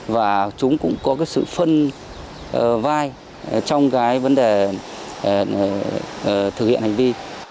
và chúng cũng có sự phân vai trong vấn đề thực hiện hành vi